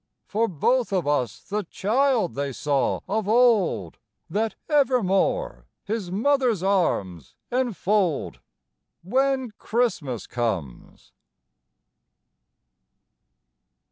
For both of us the child they saw of old, That evermore his mother's arms enfold, When Christmas comes.